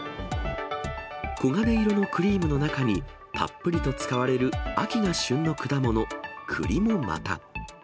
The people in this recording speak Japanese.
黄金色のクリームの中に、たっぷりと使われる秋が旬の果物、くりもまた。